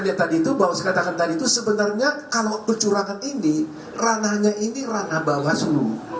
jadi kita lihat tadi itu bahwa saya katakan tadi itu sebenarnya kalau kecurangan ini ranahnya ini ranah bawah selu